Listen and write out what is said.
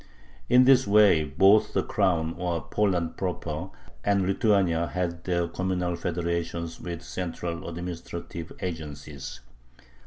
In this way both the Crown, or Poland proper, and Lithuania had their communal federations with central administrative agencies.